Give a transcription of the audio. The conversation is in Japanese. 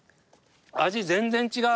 味全然違う。